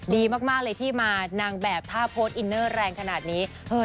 ดีมากเลยที่มานางแบบถ้าโพสต์อินเนอร์แรงขนาดนี้